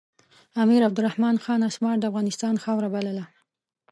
امیر عبدالرحمن خان اسمار د افغانستان خاوره بلله.